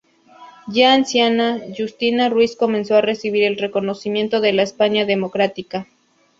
Ya anciana, Justina Ruiz comenzó a recibir el reconocimiento de la España democrática.